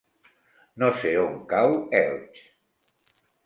No sé on cau Elx.